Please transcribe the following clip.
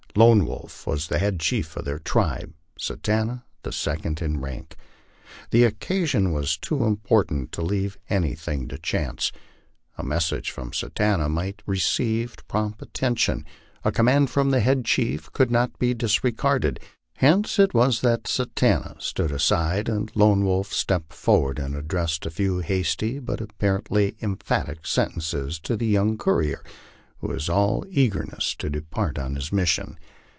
Lone Wolf was the head chief of their tribe, Satanta the second in rank. The occasion was too important to leave any thing to chance. A message from Satanta might receive prompt attention ; a command from the head chief could not be disregarded ; hence it was that Sa tanta stood aside, and Lone Wolf stepped forward and addressed a few hasty but apparently emphatic sentences to the young courier, who was all eager ness to depart on his mission.